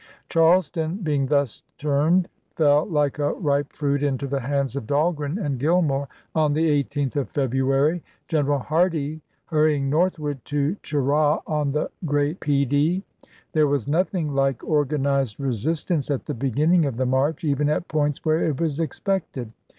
Charles ton being thus turned fell like a ripe fruit into the hands of Dahlgren and Gillmore on the 18th of February ; General Hardee hurrying northward to i865. Cheraw, on the Great Peedee. There was nothing like organized resistance at the beginning of the march, even at points where it was expected.